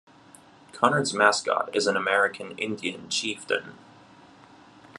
Conard's mascot is an American Indian chieftain.